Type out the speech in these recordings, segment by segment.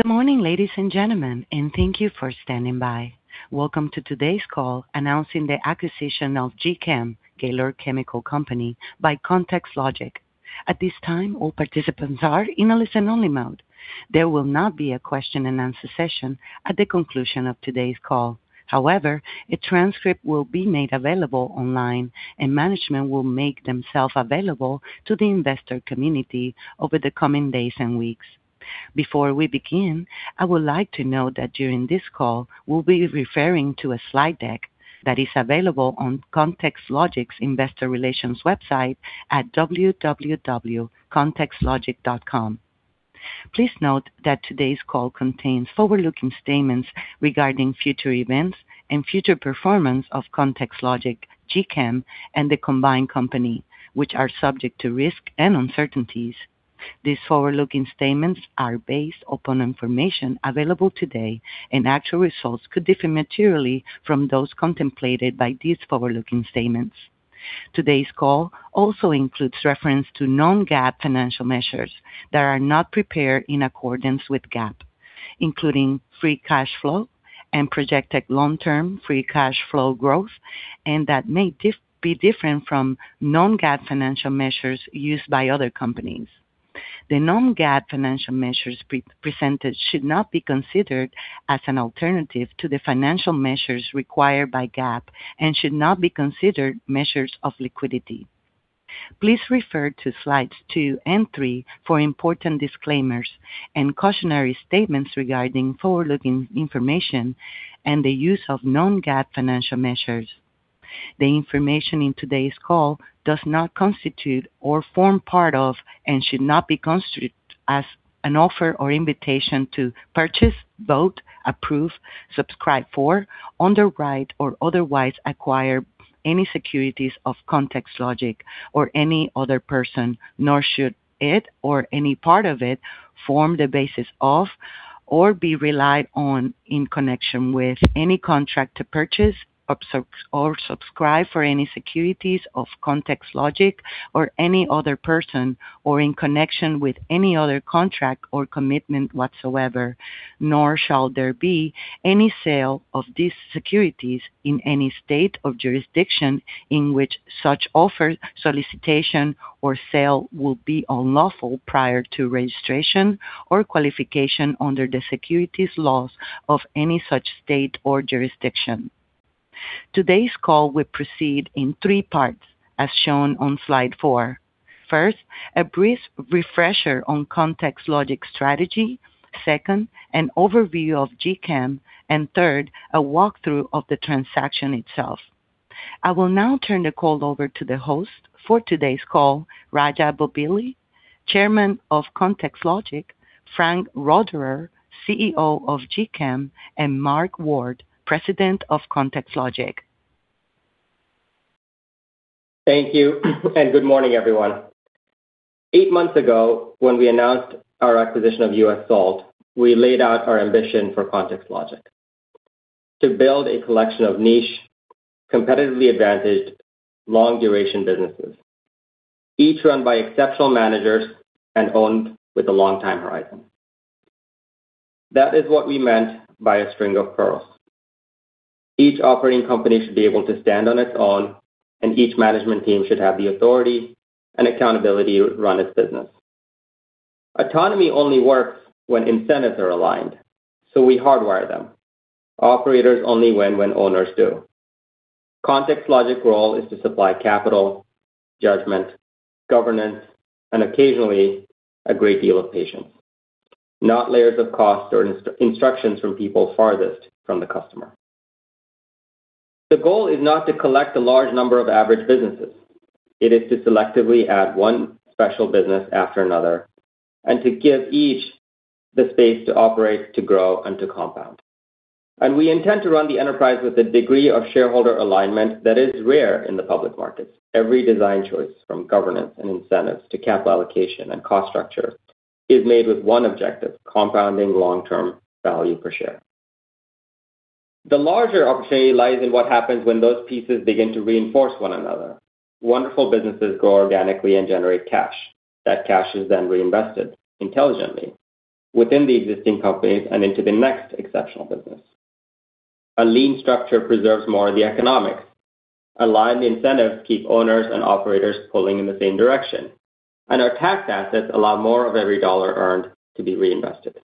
Good morning, ladies and gentlemen, and thank you for standing by. Welcome to today's call announcing the acquisition of gChem, Gaylord Chemical Company, by ContextLogic. At this time, all participants are in a listen-only mode. There will not be a question-and-answer session at the conclusion of today's call. However, a transcript will be made available online, and management will make themselves available to the investor community over the coming days and weeks. Before we begin, I would like to note that during this call, we'll be referring to a slide deck that is available on ContextLogic's investor relations website at www.contextlogic.com. Please note that today's call contains forward-looking statements regarding future events and future performance of ContextLogic, gChem, and the combined company, which are subject to risks and uncertainties. These forward-looking statements are based upon information available today, and actual results could differ materially from those contemplated by these forward-looking statements. Today's call also includes reference to non-GAAP financial measures that are not prepared in accordance with GAAP, including free cash flow and projected long-term free cash flow growth, and that may be different from non-GAAP financial measures used by other companies. The non-GAAP financial measures presented should not be considered as an alternative to the financial measures required by GAAP and should not be considered measures of liquidity. Please refer to slides two and three for important disclaimers and cautionary statements regarding forward-looking information and the use of non-GAAP financial measures. The information in today's call does not constitute or form part of, and should not be construed as, an offer or invitation to purchase, vote, approve, subscribe for, underwrite, or otherwise acquire any securities of ContextLogic or any other person. Nor should it or any part of it form the basis of or be relied on in connection with any contract to purchase or subscribe for any securities of ContextLogic or any other person, or in connection with any other contract or commitment whatsoever. Nor shall there be any sale of these securities in any state or jurisdiction in which such offer, solicitation, or sale would be unlawful prior to registration or qualification under the securities laws of any such state or jurisdiction. Today's call will proceed in three parts as shown on slide four. First, a brief refresher on ContextLogic's strategy. Second, an overview of gChem. Third, a walkthrough of the transaction itself. I will now turn the call over to the host for today's call, Raja Bobbili, Chairman of ContextLogic, Frank Roederer, CEO of gChem, and Mark Ward, President of ContextLogic. Thank you. Good morning, everyone. 8 months ago, when we announced our acquisition of US Salt, we laid out our ambition for ContextLogic. To build a collection of niche, competitively advantaged, long time horizon businesses, each run by exceptional managers and owned with a long time horizon. That is what we meant by a string of pearls. Each operating company should be able to stand on its own, and each management team should have the authority and accountability to run its business. Autonomy only works when incentives are aligned. We hardwire them. Operators only win when owners do. ContextLogic's role is to supply capital, judgment, governance, and occasionally, a great deal of patience, not layers of cost or instructions from people farthest from the customer. The goal is not to collect a large number of average businesses. It is to selectively add one special business after another and to give each the space to operate, to grow, and to compound. We intend to run the enterprise with a degree of shareholder alignment that is rare in the public markets. Every design choice, from governance and incentives to capital allocation and cost structure, is made with one objective: compounding long-term value per share. The larger opportunity lies in what happens when those pieces begin to reinforce one another. Wonderful businesses grow organically and generate cash. That cash is reinvested intelligently within the existing companies and into the next exceptional business. A lean structure preserves more of the economics. Aligned incentives keep owners and operators pulling in the same direction. Our tax assets allow more of every $1 earned to be reinvested.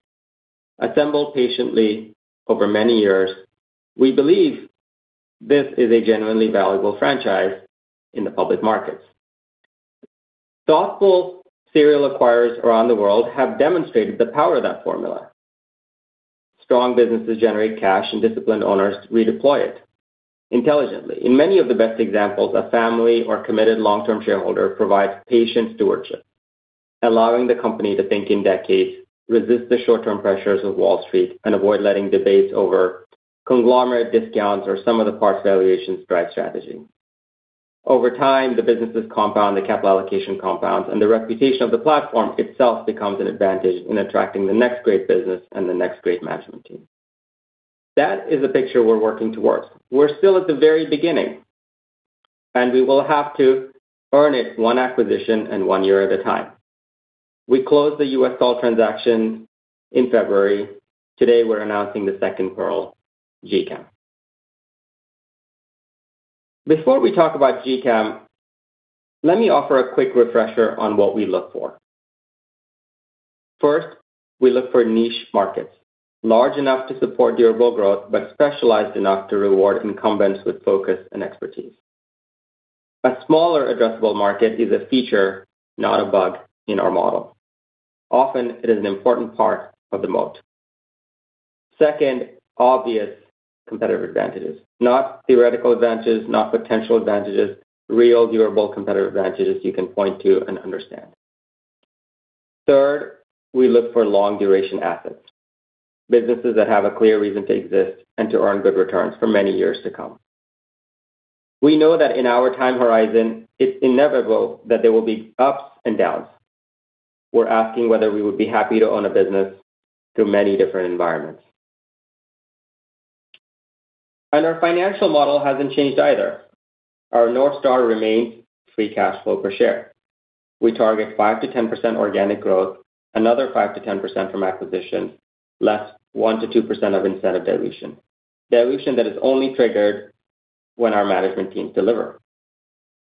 Assembled patiently over many years, we believe this is a genuinely valuable franchise in the public markets. Thoughtful serial acquirers around the world have demonstrated the power of that formula. Strong businesses generate cash, and disciplined owners redeploy it intelligently. In many of the best examples, a family or committed long-term shareholder provides patient stewardship, allowing the company to think in decades, resist the short-term pressures of Wall Street, and avoid letting debates over conglomerate discounts or sum-of-the-parts valuations drive strategy. Over time, the businesses compound, the capital allocation compounds, and the reputation of the platform itself becomes an advantage in attracting the next great business and the next great management team. That is a picture we're working towards. We're still at the very beginning. We will have to earn it one acquisition and one year at a time. We closed the US Salt transaction in February. Today, we're announcing the second pearl, gChem. Before we talk about gChem, let me offer a quick refresher on what we look for. First, we look for niche markets, large enough to support durable growth, but specialized enough to reward incumbents with focus and expertise. A smaller addressable market is a feature, not a bug, in our model. Often, it is an important part of the moat. Second, obvious competitive advantages, not theoretical advantages, not potential advantages, real durable competitive advantages you can point to and understand. Third, we look for long-duration assets, businesses that have a clear reason to exist and to earn good returns for many years to come. We know that in our time horizon, it's inevitable that there will be ups and downs. We're asking whether we would be happy to own a business through many different environments. Our financial model hasn't changed either. Our North Star remains free cash flow per share. We target 5%-10% organic growth, another 5%-10% from acquisition, less 1%-2% of incentive dilution. Dilution that is only triggered when our management teams deliver.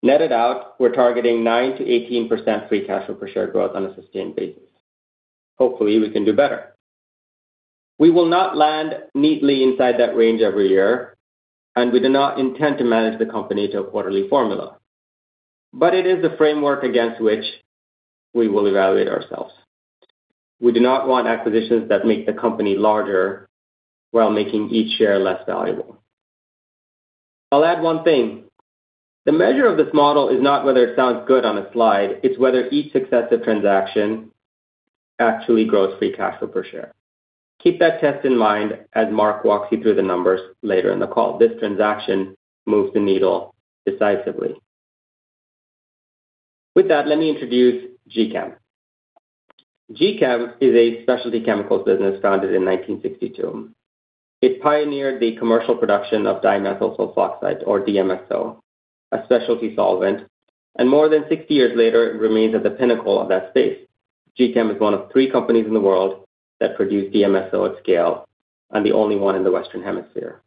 Netted out, we're targeting 9%-18% free cash flow per share growth on a sustained basis. Hopefully, we can do better. We will not land neatly inside that range every year, and we do not intend to manage the company to a quarterly formula. But it is the framework against which we will evaluate ourselves. We do not want acquisitions that make the company larger while making each share less valuable. I'll add one thing. The measure of this model is not whether it sounds good on a slide, it's whether each successive transaction actually grows free cash flow per share. Keep that test in mind as Mark walks you through the numbers later in the call. This transaction moves the needle decisively. With that, let me introduce gChem. gChem is a specialty chemicals business founded in 1962. It pioneered the commercial production of dimethyl sulfoxide or DMSO, a specialty solvent, and more than 60 years later, it remains at the pinnacle of that space. gChem is one of three companies in the world that produce DMSO at scale, and the only one in the Western Hemisphere.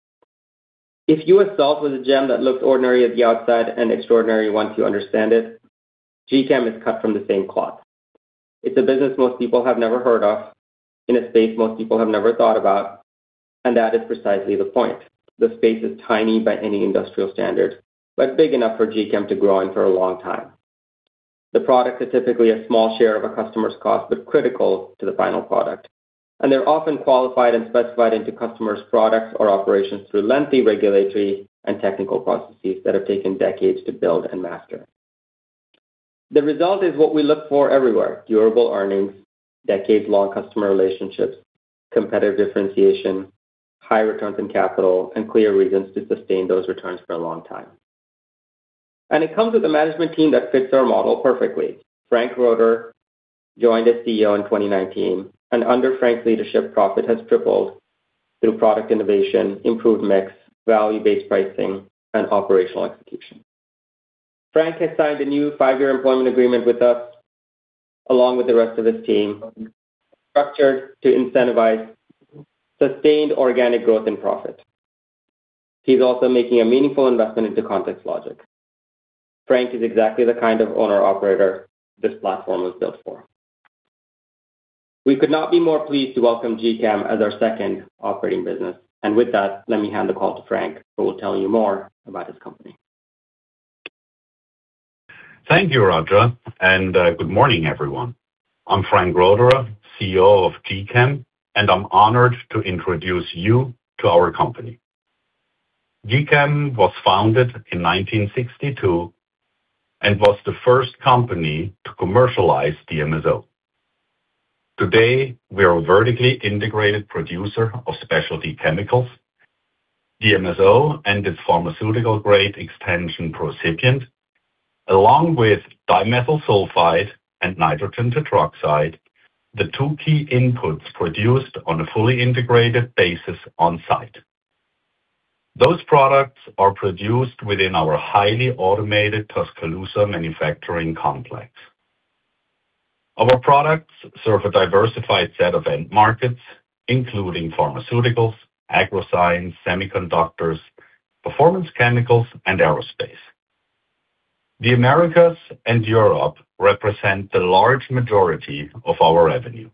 If US Salt was a gem that looked ordinary at the outside and extraordinary once you understand it, gChem is cut from the same cloth. It's a business most people have never heard of in a space most people have never thought about, and that is precisely the point. The space is tiny by any industrial standard, but big enough for gChem to grow in for a long time. The product is typically a small share of a customer's cost, but critical to the final product, and they're often qualified and specified into customers' products or operations through lengthy regulatory and technical processes that have taken decades to build and master. The result is what we look for everywhere, durable earnings, decades-long customer relationships, competitive differentiation, high returns on capital, and clear reasons to sustain those returns for a long time. And it comes with a management team that fits our model perfectly. Frank Roederer joined as CEO in 2019, and under Frank's leadership, profit has tripled through product innovation, improved mix, value-based pricing, and operational execution. Frank has signed a new five-year employment agreement with us, along with the rest of his team, structured to incentivize sustained organic growth and profit. He's also making a meaningful investment into ContextLogic. Frank is exactly the kind of owner-operator this platform was built for. We could not be more pleased to welcome gChem as our second operating business. With that, let me hand the call to Frank, who will tell you more about his company. Thank you, Raja, and good morning, everyone. I'm Frank Roederer, CEO of gChem, and I'm honored to introduce you to our company. gChem was founded in 1962 and was the first company to commercialize DMSO. Today, we are a vertically integrated producer of specialty chemicals, DMSO, and its pharmaceutical-grade extension, PROCIPIENT, along with dimethyl sulfide and nitrogen tetroxide, the two key inputs produced on a fully integrated basis on-site. Those products are produced within our highly automated Tuscaloosa manufacturing complex. Our products serve a diversified set of end markets, including pharmaceuticals, agroscience, semiconductors, performance chemicals, and aerospace. The Americas and Europe represent the large majority of our revenue,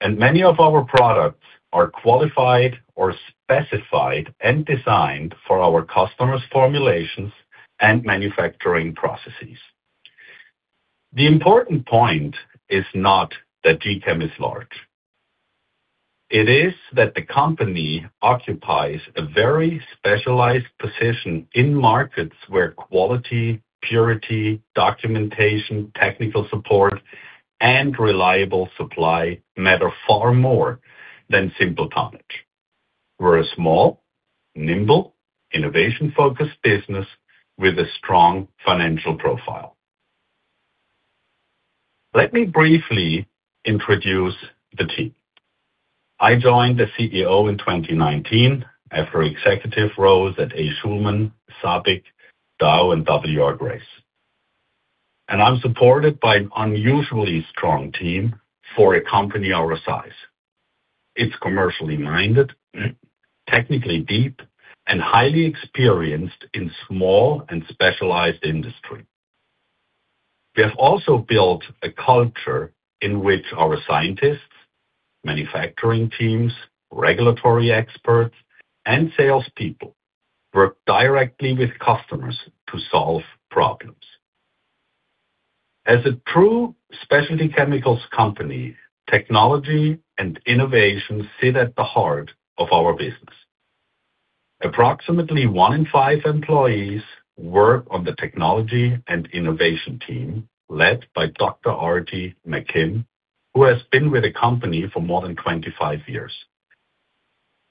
and many of our products are qualified or specified and designed for our customers' formulations and manufacturing processes. The important point is not that gChem is large. It is that the company occupies a very specialized position in markets where quality, purity, documentation, technical support, and reliable supply matter far more than simple tonnage. We're a small, nimble, innovation-focused business with a strong financial profile. Let me briefly introduce the team. I joined as CEO in 2019 after executive roles at A. Schulman, SABIC, Dow, and W. R. Grace. I'm supported by an unusually strong team for a company our size. It's commercially minded, technically deep, and highly experienced in small and specialized industry. We have also built a culture in which our scientists, manufacturing teams, regulatory experts, and salespeople work directly with customers to solve problems. As a true specialty chemicals company, technology and innovation sit at the heart of our business. Approximately one in five employees work on the technology and innovation team, led by Dr. Artie McKim, who has been with the company for more than 25 years.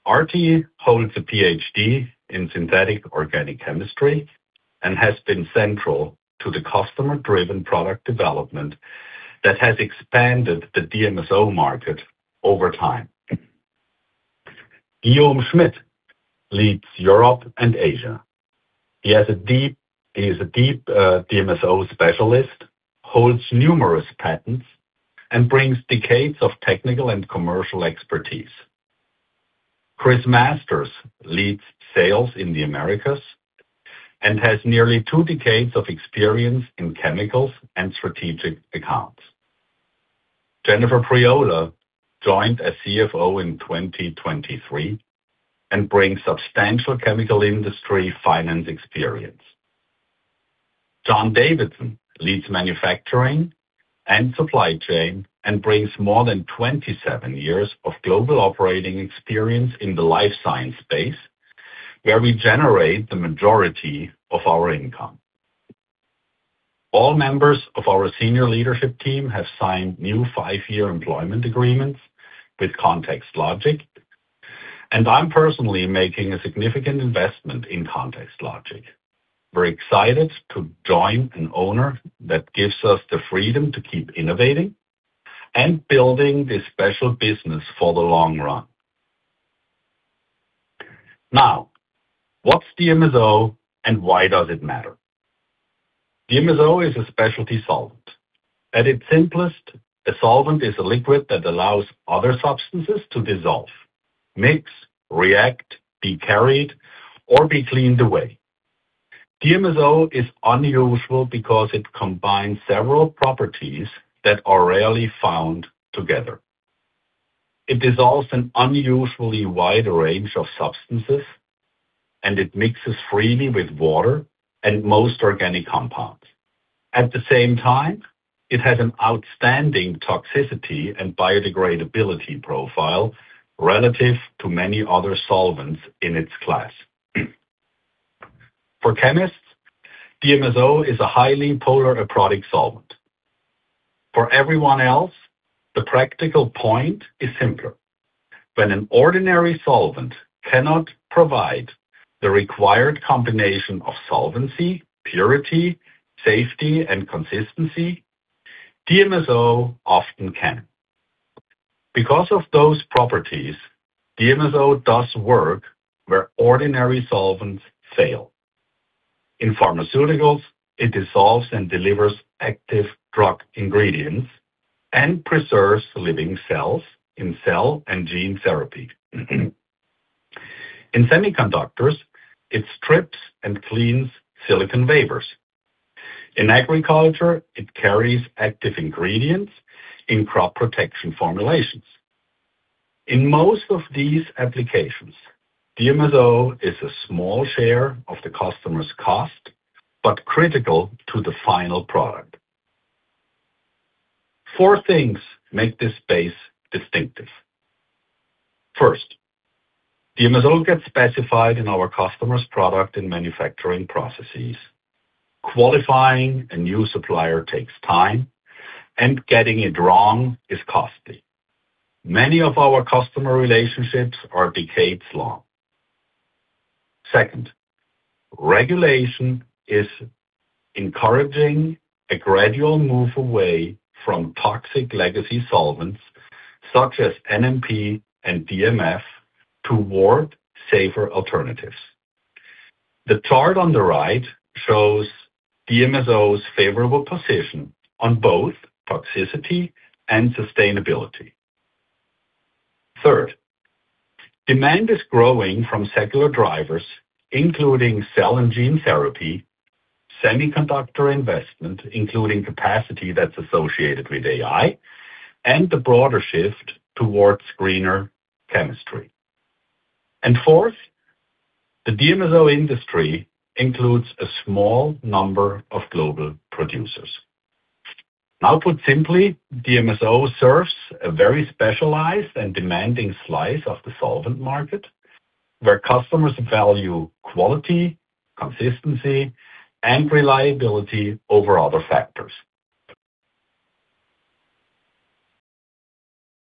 Artie holds a PhD in synthetic organic chemistry and has been central to the customer-driven product development that has expanded the DMSO market over time. Guillaume Schmitt leads Europe and Asia. He is a deep DMSO specialist, holds numerous patents, and brings decades of technical and commercial expertise. Chris Masters leads sales in the Americas and has nearly two decades of experience in chemicals and strategic accounts. Jennifer Priola joined as CFO in 2023 and brings substantial chemical industry finance experience. John Davidson leads manufacturing and supply chain and brings more than 27 years of global operating experience in the life science space, where we generate the majority of our income. All members of our senior leadership team have signed new 5-year employment agreements with ContextLogic, and I'm personally making a significant investment in ContextLogic. We're excited to join an owner that gives us the freedom to keep innovating and building this special business for the long run. Now, what's DMSO and why does it matter? DMSO is a specialty solvent. At its simplest, a solvent is a liquid that allows other substances to dissolve, mix, react, be carried, or be cleaned away. DMSO is unusual because it combines several properties that are rarely found together. It dissolves an unusually wide range of substances, and it mixes freely with water and most organic compounds. At the same time, it has an outstanding toxicity and biodegradability profile relative to many other solvents in its class. For chemists, DMSO is a highly polar aprotic solvent. For everyone else, the practical point is simpler. When an ordinary solvent cannot provide the required combination of solvency, purity, safety, and consistency, DMSO often can. Because of those properties, DMSO does work where ordinary solvents fail. In pharmaceuticals, it dissolves and delivers active drug ingredients and preserves living cells in cell and gene therapy. In semiconductors, it strips and cleans silicon vapors. In agriculture, it carries active ingredients in crop protection formulations. In most of these applications, DMSO is a small share of the customer's cost, but critical to the final product. Four things make this space distinctive. First, DMSO gets specified in our customer's product and manufacturing processes. Qualifying a new supplier takes time, and getting it wrong is costly. Many of our customer relationships are decades long. Second, regulation is encouraging a gradual move away from toxic legacy solvents such as NMP and DMF toward safer alternatives. The chart on the right shows DMSO's favorable position on both toxicity and sustainability. Third, demand is growing from secular drivers, including cell and gene therapy, semiconductor investment, including capacity that's associated with AI, and the broader shift towards greener chemistry. Fourth, the DMSO industry includes a small number of global producers. Put simply, DMSO serves a very specialized and demanding slice of the solvent market, where customers value quality, consistency, and reliability over other factors.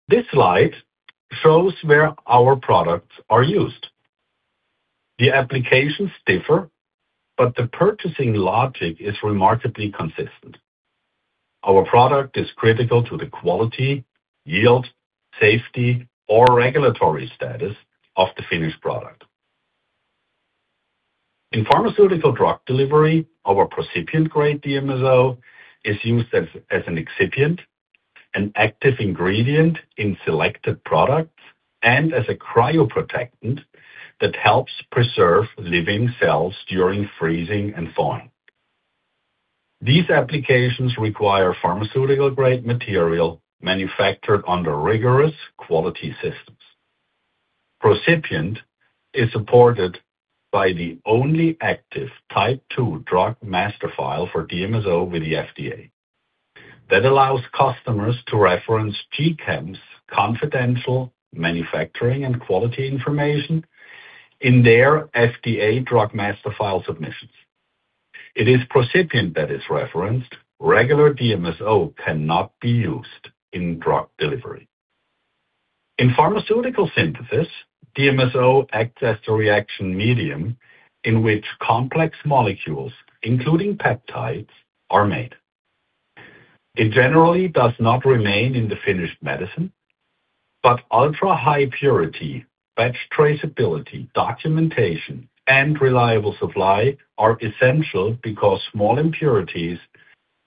This slide shows where our products are used. The applications differ, but the purchasing logic is remarkably consistent. Our product is critical to the quality, yield, safety, or regulatory status of the finished product. In pharmaceutical drug delivery, our PROCIPIENT-grade DMSO is used as an excipient, an active ingredient in selected products, and as a cryoprotectant that helps preserve living cells during freezing and thawing. These applications require pharmaceutical-grade material manufactured under rigorous quality systems. PROCIPIENT is supported by the only active Type II Drug Master File for DMSO with the FDA. That allows customers to reference gChem's confidential manufacturing and quality information in their FDA Drug Master File submissions. It is PROCIPIENT that is referenced. Regular DMSO cannot be used in drug delivery. In pharmaceutical synthesis, DMSO acts as the reaction medium in which complex molecules, including peptides, are made. It generally does not remain in the finished medicine, but ultra-high purity, batch traceability, documentation, and reliable supply are essential because small impurities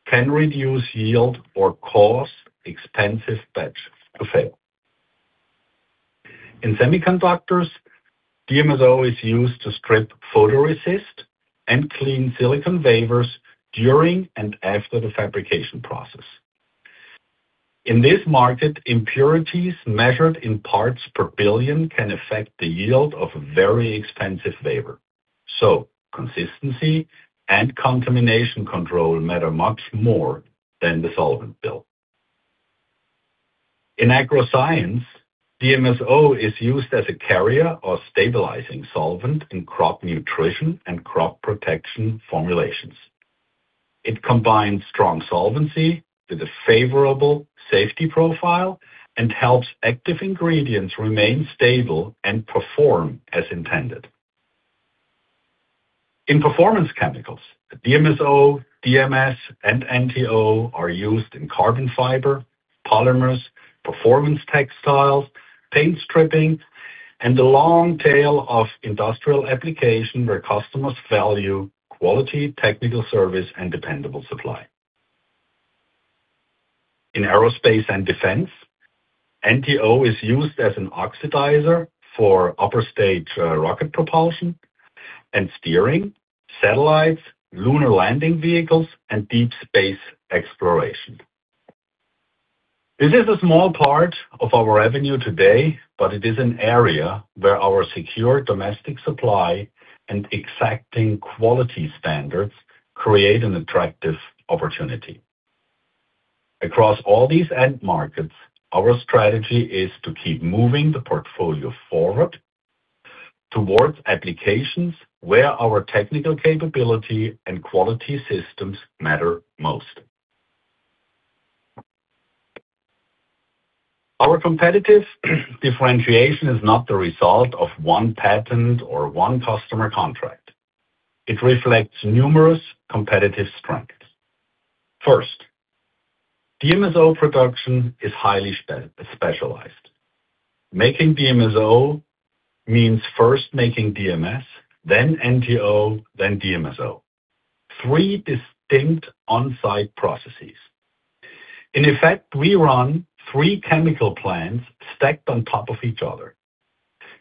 can reduce yield or cause expensive batches to fail. In semiconductors, DMSO is used to strip photoresist and clean silicon wafers during and after the fabrication process. In this market, impurities measured in parts per billion can affect the yield of a very expensive wafer. Consistency and contamination control matter much more than the solvent build. In agroscience, DMSO is used as a carrier or stabilizing solvent in crop nutrition and crop protection formulations. It combines strong solvency with a favorable safety profile and helps active ingredients remain stable and perform as intended. In performance chemicals, DMSO, DMS, and NTO are used in carbon fiber, polymers, performance textiles, paint stripping, and the long tail of industrial application where customers value quality, technical service, and dependable supply. In aerospace and defense, NTO is used as an oxidizer for upper-stage rocket propulsion and steering, satellites, lunar landing vehicles, and deep space exploration. This is a small part of our revenue today, but it is an area where our secure domestic supply and exacting quality standards create an attractive opportunity. Across all these end markets, our strategy is to keep moving the portfolio forward towards applications where our technical capability and quality systems matter most. Our competitive differentiation is not the result of one patent or one customer contract. It reflects numerous competitive strengths. First, DMSO production is highly specialized. Making DMSO means first making DMS, then NTO, then DMSO. Three distinct on-site processes. In effect, we run three chemical plants stacked on top of each other.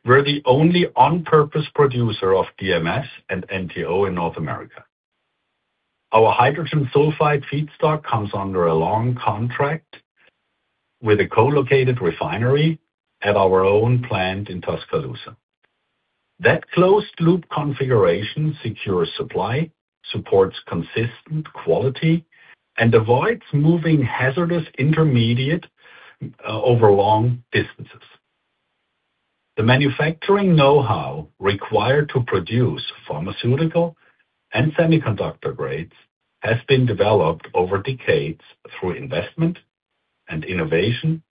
We're the only on-purpose producer of DMS and NTO in North America. Our hydrogen sulfide feedstock comes under a long contract with a co-located refinery at our own plant in Tuscaloosa. That closed-loop configuration secures supply, supports consistent quality, and avoids moving hazardous intermediate over long distances. The manufacturing know-how required to produce pharmaceutical and semiconductor grades has been developed over decades through investment and innovation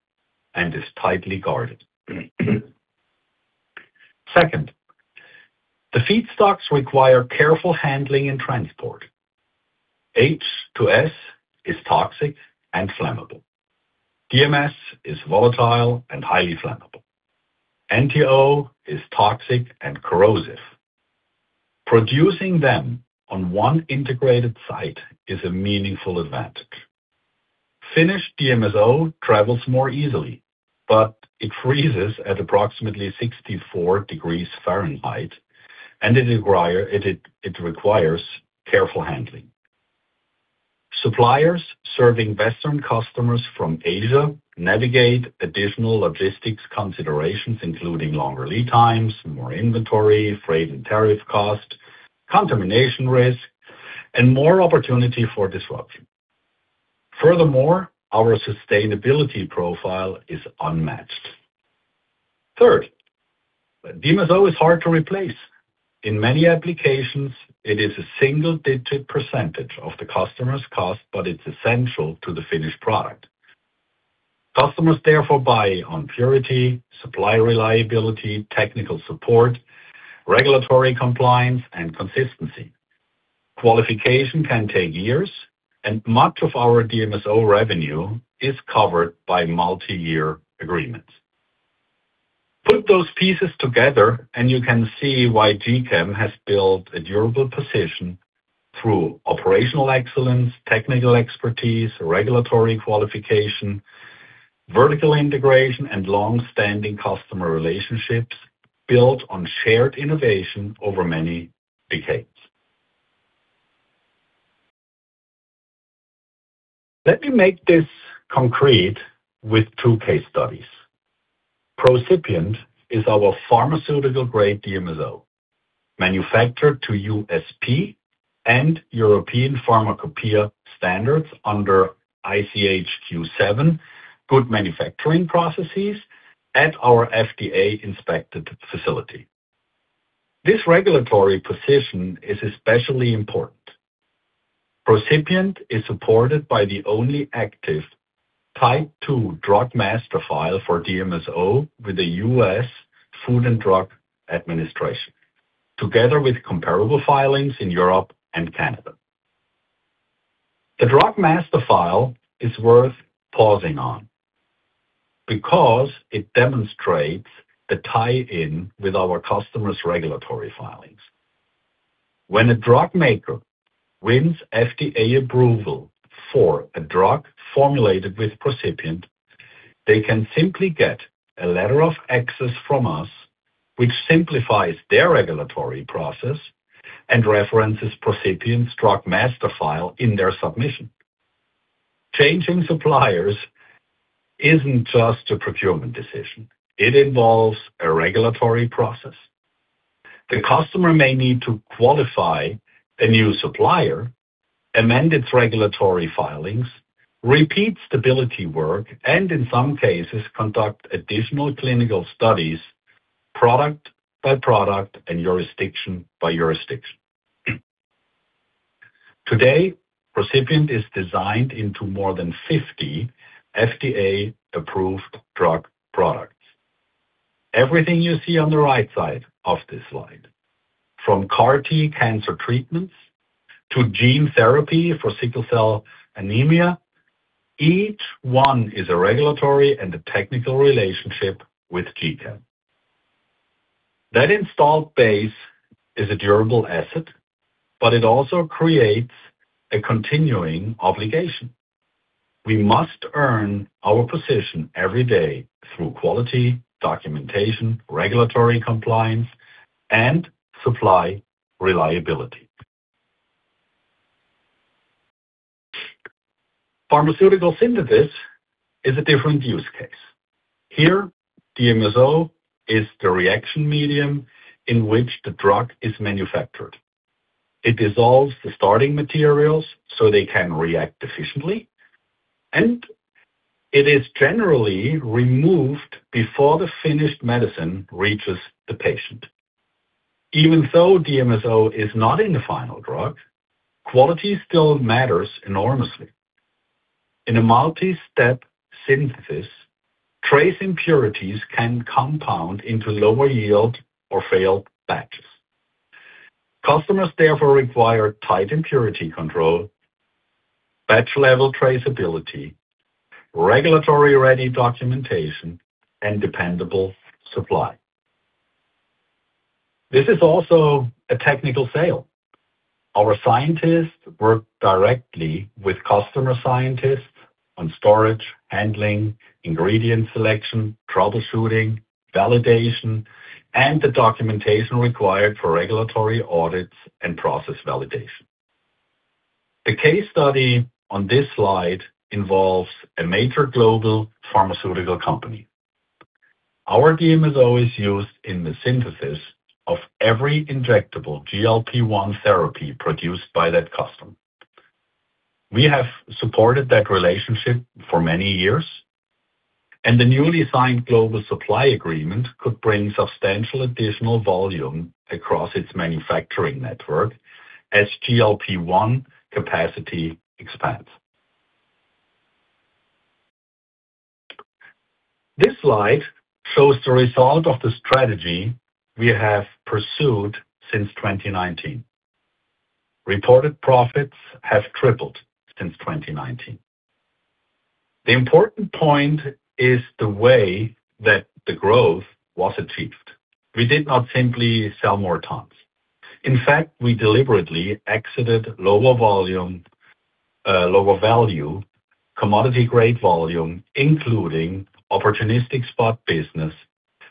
and is tightly guarded. Second, the feedstocks require careful handling and transport. H2S is toxic and flammable. DMS is volatile and highly flammable. NTO is toxic and corrosive. Producing them on one integrated site is a meaningful advantage. Finished DMSO travels more easily, but it freezes at approximately 64 degrees Fahrenheit, and it requires careful handling. Suppliers serving Western customers from Asia navigate additional logistics considerations, including longer lead times, more inventory, freight and tariff cost, contamination risk, and more opportunity for disruption. Our sustainability profile is unmatched. Third, DMSO is hard to replace. In many applications, it is a single-digit percentage of the customer's cost, but it's essential to the finished product. Customers therefore buy on purity, supply reliability, technical support, regulatory compliance, and consistency. Qualification can take years, and much of our DMSO revenue is covered by multi-year agreements. Put those pieces together, you can see why gChem has built a durable position through operational excellence, technical expertise, regulatory qualification, vertical integration, and longstanding customer relationships built on shared innovation over many decades. Let me make this concrete with two case studies. PROCIPIENT is our pharmaceutical-grade DMSO, manufactured to USP and European Pharmacopoeia standards under ICH Q7 good manufacturing processes at our FDA-inspected facility. This regulatory position is especially important. PROCIPIENT is supported by the only active Type II Drug Master File for DMSO with the U.S. Food and Drug Administration, together with comparable filings in Europe and Canada. The Drug Master File is worth pausing on because it demonstrates the tie-in with our customers' regulatory filings. When a drug maker wins FDA approval for a drug formulated with PROCIPIENT, they can simply get a letter of access from us, which simplifies their regulatory process and references PROCIPIENT's Drug Master File in their submission. Changing suppliers isn't just a procurement decision. It involves a regulatory process. The customer may need to qualify a new supplier, amend its regulatory filings, repeat stability work, and in some cases, conduct additional clinical studies, product by product and jurisdiction by jurisdiction. Today, PROCIPIENT is designed into more than 50 FDA-approved drug products. Everything you see on the right side of this slide, from CAR T cancer treatments to gene therapy for sickle cell anemia, each one is a regulatory and a technical relationship with gChem. That installed base is a durable asset, but it also creates a continuing obligation. We must earn our position every day through quality, documentation, regulatory compliance, and supply reliability. Pharmaceutical synthesis is a different use case. Here, DMSO is the reaction medium in which the drug is manufactured. It dissolves the starting materials so they can react efficiently, and it is generally removed before the finished medicine reaches the patient. Even though DMSO is not in the final drug, quality still matters enormously. In a multi-step synthesis, trace impurities can compound into lower yield or failed batches. Customers therefore require tight impurity control, batch level traceability, regulatory-ready documentation, and dependable supply. This is also a technical sale. Our scientists work directly with customer scientists on storage, handling, ingredient selection, troubleshooting, validation, and the documentation required for regulatory audits and process validation. The case study on this slide involves a major global pharmaceutical company. Our DMSO is used in the synthesis of every injectable GLP-1 therapy produced by that customer. We have supported that relationship for many years, and the newly signed global supply agreement could bring substantial additional volume across its manufacturing network as GLP-1 capacity expands. This slide shows the result of the strategy we have pursued since 2019. Reported profits have tripled since 2019. The important point is the way that the growth was achieved. We did not simply sell more tons. We deliberately exited lower volume, lower value, commodity-grade volume, including opportunistic spot business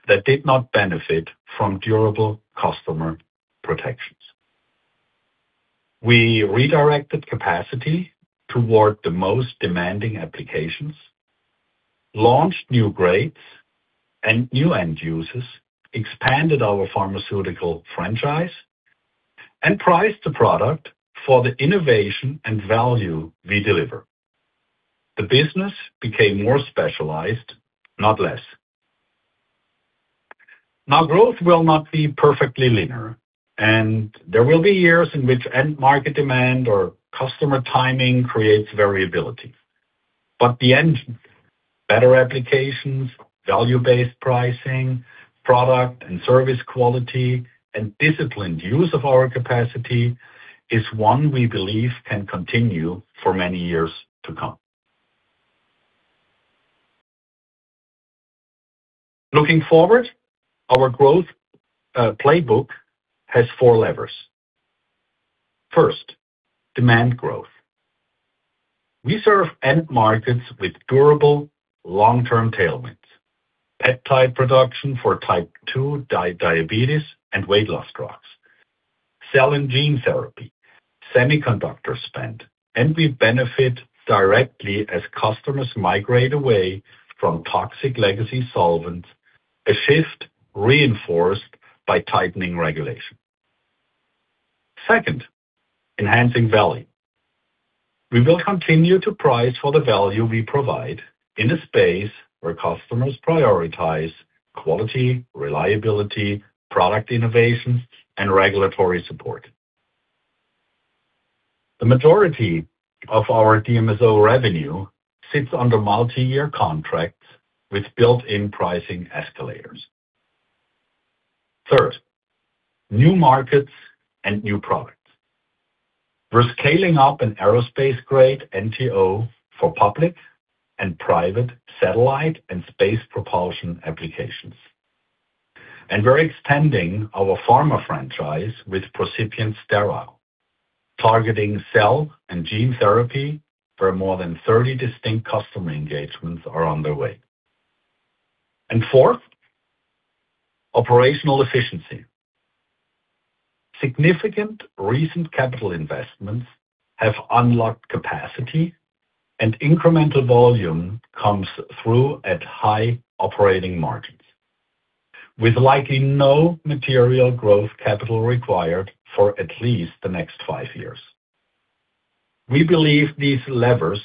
that did not benefit from durable customer protections. We redirected capacity toward the most demanding applications, launched new grades and new end users, expanded our pharmaceutical franchise, and priced the product for the innovation and value we deliver. The business became more specialized, not less. Now, growth will not be perfectly linear, and there will be years in which end market demand or customer timing creates variability. The end, better applications, value-based pricing, product and service quality, and disciplined use of our capacity is one we believe can continue for many years to come. Looking forward, our growth playbook has four levers. First, demand growth. We serve end markets with durable long-term tailwinds. Peptide production for type 2 diabetes and weight loss drugs, cell and gene therapy, semiconductor spend, and we benefit directly as customers migrate away from toxic legacy solvents, a shift reinforced by tightening regulation. Second, enhancing value. We will continue to price for the value we provide in a space where customers prioritize quality, reliability, product innovations, and regulatory support. The majority of our DMSO revenue sits under multi-year contracts with built-in pricing escalators. Third, new markets and new products. We're scaling up an aerospace-grade NTO for public and private satellite and space propulsion applications. We're expanding our pharma franchise with PROCIPIENT Sterile, targeting cell and gene therapy where more than 30 distinct customer engagements are underway. Fourth, operational efficiency. Significant recent capital investments have unlocked capacity, and incremental volume comes through at high operating margins, with likely no material growth capital required for at least the next five years. We believe these levers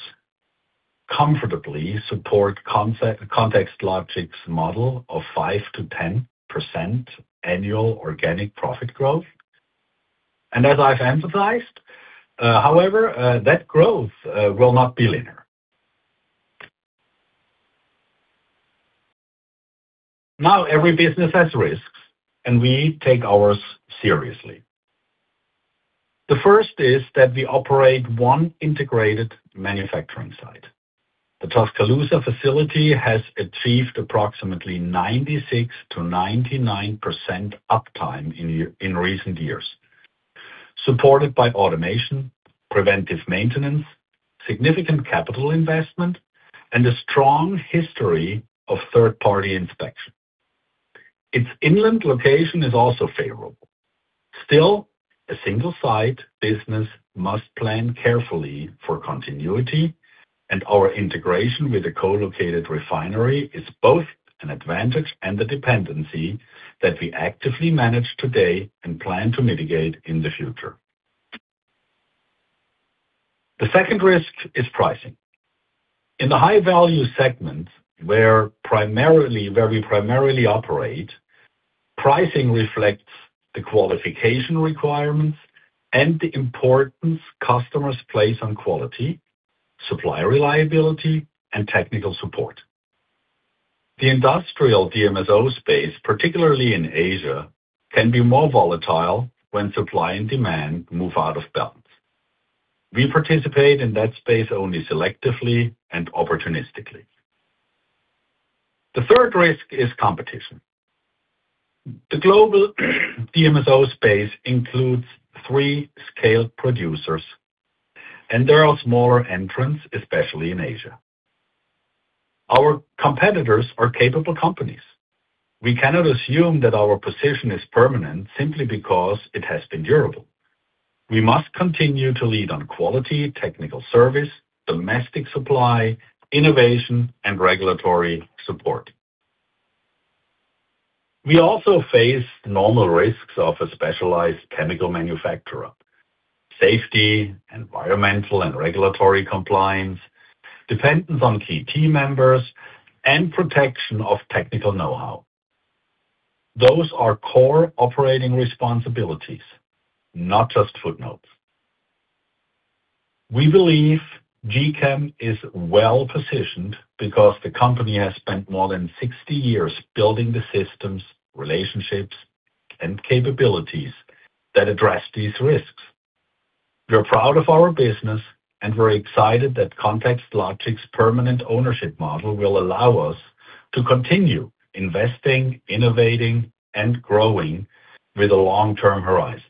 comfortably support ContextLogic's model of 5%-10% annual organic profit growth. As I've emphasized, however, that growth will not be linear. Now every business has risks, and we take ours seriously. The first is that we operate one integrated manufacturing site. The Tuscaloosa facility has achieved approximately 96%-99% uptime in recent years, supported by automation, preventive maintenance, significant capital investment, and a strong history of third-party inspection. Its inland location is also favorable. Still, a single site business must plan carefully for continuity, and our integration with a co-located refinery is both an advantage and a dependency that we actively manage today and plan to mitigate in the future. The second risk is pricing. In the high-value segment where we primarily operate, pricing reflects the qualification requirements and the importance customers place on quality, supplier reliability, and technical support. The industrial DMSO space, particularly in Asia, can be more volatile when supply and demand move out of balance. We participate in that space only selectively and opportunistically. The third risk is competition. The global DMSO space includes three scaled producers, and there are smaller entrants, especially in Asia. Our competitors are capable companies. We cannot assume that our position is permanent simply because it has been durable. We must continue to lead on quality, technical service, domestic supply, innovation, and regulatory support. We also face normal risks of a specialized chemical manufacturer: safety, environmental and regulatory compliance, dependence on key team members, and protection of technical know-how. Those are core operating responsibilities, not just footnotes. We believe gChem is well-positioned because the company has spent more than 60 years building the systems, relationships, and capabilities that address these risks. We're proud of our business, and we're excited that ContextLogic's permanent ownership model will allow us to continue investing, innovating, and growing with a long-term horizon.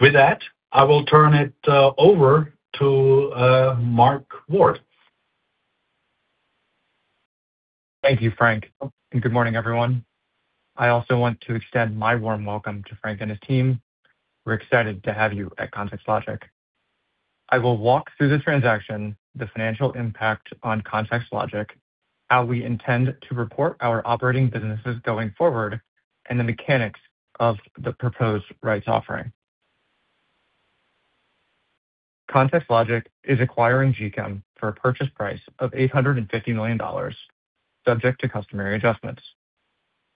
With that, I will turn it over to Mark Ward. Thank you, Frank. Good morning, everyone. I also want to extend my warm welcome to Frank and his team. We're excited to have you at ContextLogic. I will walk through the transaction, the financial impact on ContextLogic, how we intend to report our operating businesses going forward, and the mechanics of the proposed rights offering. ContextLogic is acquiring gChem for a purchase price of $850 million, subject to customary adjustments.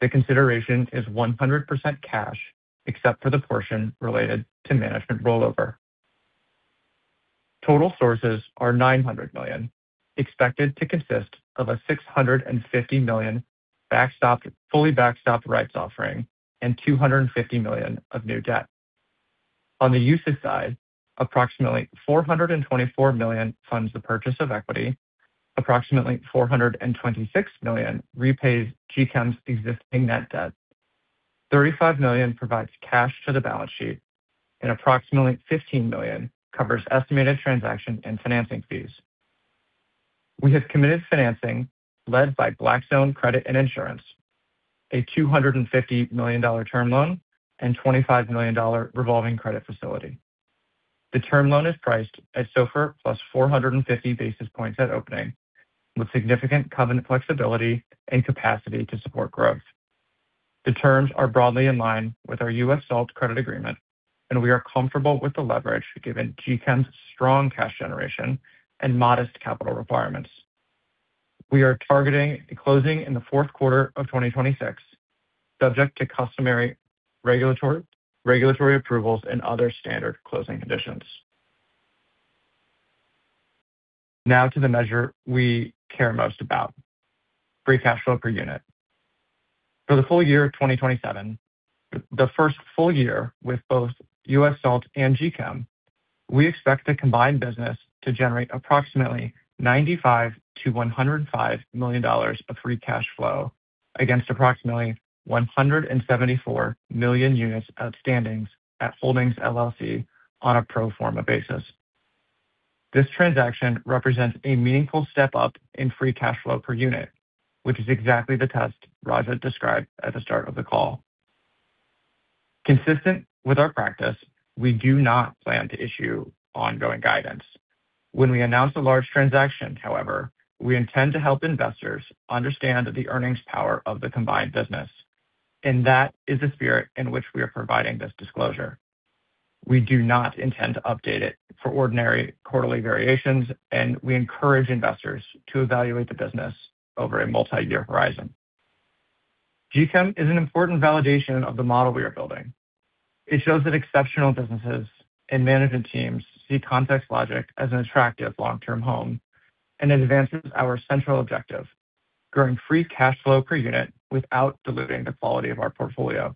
The consideration is 100% cash except for the portion related to management rollover. Total sources are $900 million, expected to consist of a $650 million fully backstopped rights offering and $250 million of new debt. On the usage side, approximately $424 million funds the purchase of equity, approximately $426 million repays gChem's existing net debt, $35 million provides cash to the balance sheet, and approximately $15 million covers estimated transaction and financing fees. We have committed financing led by Blackstone Credit and Insurance, a $250 million term loan and $25 million revolving credit facility. The term loan is priced at SOFR plus 450 basis points at opening, with significant covenant flexibility and capacity to support growth. The terms are broadly in line with our US Salt credit agreement. We are comfortable with the leverage given gChem's strong cash generation and modest capital requirements. We are targeting closing in the fourth quarter of 2026, subject to customary regulatory approvals and other standard closing conditions. Now to the measure we care most about, free cash flow per unit. For the full year of 2027, the first full year with both US Salt and gChem, we expect the combined business to generate approximately $95 million-$105 million of free cash flow against approximately 174 million units outstanding at Holdings LLC on a pro forma basis. This transaction represents a meaningful step up in free cash flow per unit, which is exactly the test Raja described at the start of the call. Consistent with our practice, we do not plan to issue ongoing guidance. When we announce a large transaction, however, we intend to help investors understand the earnings power of the combined business, that is the spirit in which we are providing this disclosure. We do not intend to update it for ordinary quarterly variations, we encourage investors to evaluate the business over a multi-year horizon. gChem is an important validation of the model we are building. It shows that exceptional businesses and management teams see ContextLogic as an attractive long-term home and advances our central objective, growing free cash flow per unit without diluting the quality of our portfolio.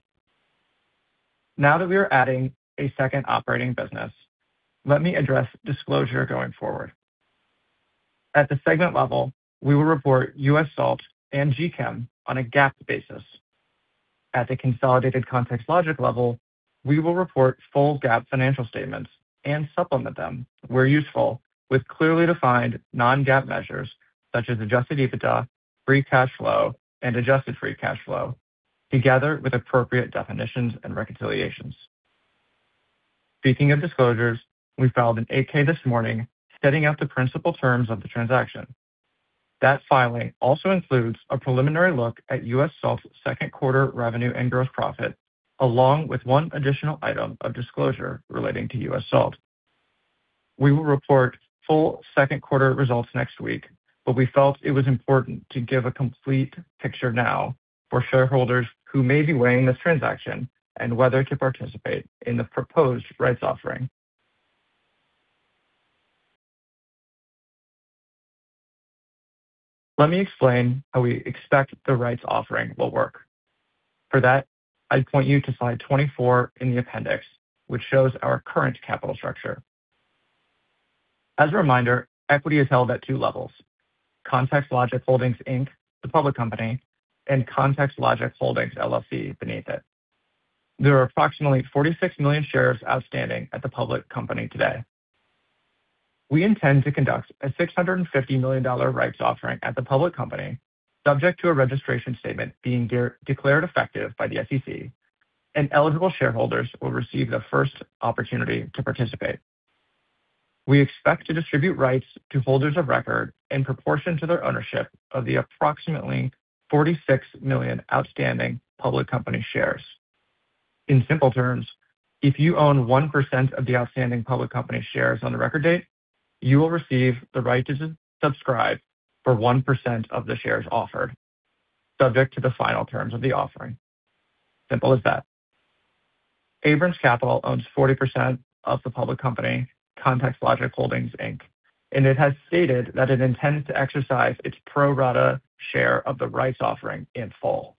Now that we are adding a second operating business, let me address disclosure going forward. At the segment level, we will report US Salt and gChem on a GAAP basis. At the consolidated ContextLogic level, we will report full GAAP financial statements and supplement them where useful with clearly defined non-GAAP measures such as adjusted EBITDA, free cash flow, and adjusted free cash flow together with appropriate definitions and reconciliations. Speaking of disclosures, we filed an 8-K this morning setting out the principal terms of the transaction. That filing also includes a preliminary look at US Salt's second quarter revenue and gross profit, along with one additional item of disclosure relating to US Salt. We will report full second quarter results next week, but we felt it was important to give a complete picture now for shareholders who may be weighing this transaction and whether to participate in the proposed rights offering. Let me explain how we expect the rights offering will work. For that, I point you to slide 24 in the appendix, which shows our current capital structure. As a reminder, equity is held at two levels, ContextLogic Holdings Inc., the public company, and ContextLogic Holdings, LLC beneath it. There are approximately 46 million shares outstanding at the public company today. We intend to conduct a $650 million rights offering at the public company, subject to a registration statement being declared effective by the SEC, eligible shareholders will receive the first opportunity to participate. We expect to distribute rights to holders of record in proportion to their ownership of the approximately 46 million outstanding public company shares. In simple terms, if you own 1% of the outstanding public company shares on the record date, you will receive the right to subscribe for 1% of the shares offered, subject to the final terms of the offering. Simple as that. Abrams Capital owns 40% of the public company, ContextLogic Holdings Inc., it has stated that it intends to exercise its pro rata share of the rights offering in full.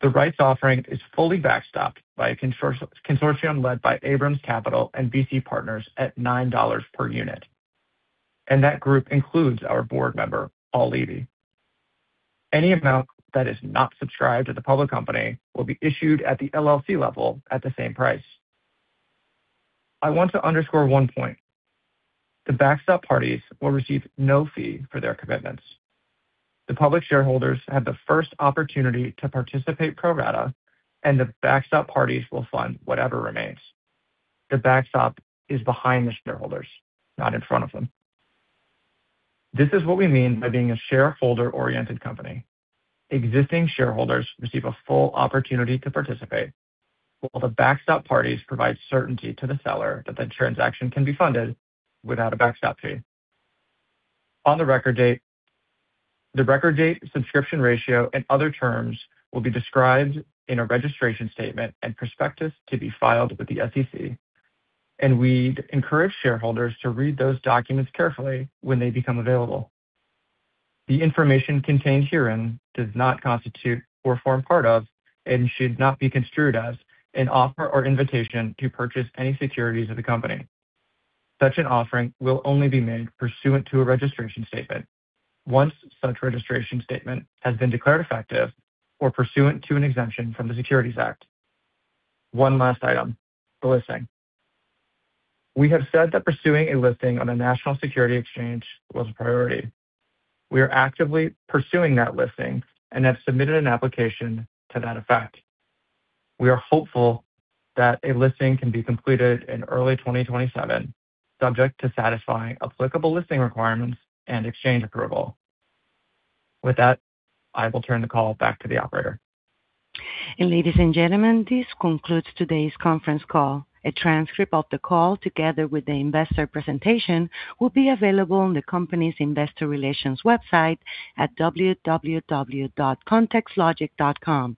The rights offering is fully backstopped by a consortium led by Abrams Capital and BC Partners at $9 per unit. That group includes our board member, Paul Levy. Any amount that is not subscribed at the public company will be issued at the LLC level at the same price. I want to underscore one point. The backstop parties will receive no fee for their commitments. The public shareholders have the first opportunity to participate pro rata. The backstop parties will fund whatever remains. The backstop is behind the shareholders, not in front of them. This is what we mean by being a shareholder-oriented company. Existing shareholders receive a full opportunity to participate, while the backstop parties provide certainty to the seller that the transaction can be funded without a backstop fee. On the record date, the record date subscription ratio and other terms will be described in a registration statement and prospectus to be filed with the SEC. We'd encourage shareholders to read those documents carefully when they become available. The information contained herein does not constitute or form part of, and should not be construed as, an offer or invitation to purchase any securities of the company. Such an offering will only be made pursuant to a registration statement once such registration statement has been declared effective or pursuant to an exemption from the Securities Act. One last item, the listing. We have said that pursuing a listing on a national security exchange was a priority. We are actively pursuing that listing and have submitted an application to that effect. We are hopeful that a listing can be completed in early 2027, subject to satisfying applicable listing requirements and exchange approval. With that, I will turn the call back to the operator. Ladies and gentlemen, this concludes today's conference call. A transcript of the call, together with the investor presentation, will be available on the company's investor relations website at www.contextlogic.com.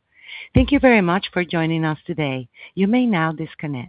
Thank you very much for joining us today. You may now disconnect.